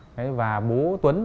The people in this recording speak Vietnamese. cháu thấy bố tuấn